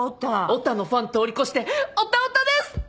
オタのファン通り越してオタオタです！